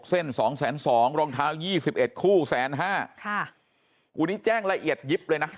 สองแสนสองรองเท้ายี่สิบเอ็ดคู่แสนห้าค่ะวันนี้แจ้งละเอียดยิบเลยนะ